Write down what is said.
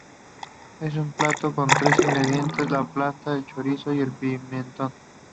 Es un plato con tres ingredientes: la patata, el chorizo y el pimentón.